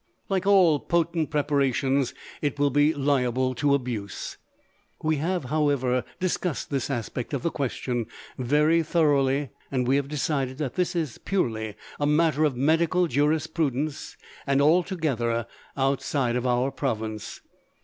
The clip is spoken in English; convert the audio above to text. Like all potent preparations it will be liable to abuse. We have, however, discussed this aspect of the question very thoroughly, and we have decided that this is purely a matter of medical jurisprudence and altogether outside our province.